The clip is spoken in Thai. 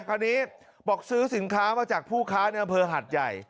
คราวนี้บอกซื้อสินค้ามาจากผู้ค้าในอำเภอหัดใหญ่